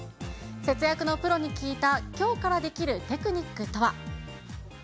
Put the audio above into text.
節約のプロに聞いたきょうからできるテクニックとは。